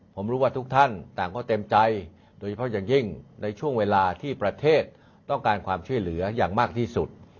ผมรู้ว่าทุกท่านต่างก็เต็มใจโดยเฉพาะอย่างยิ่งในช่วงเวลาที่ประเทศต้องการความช่วยเหลืออย่างมากที่สุด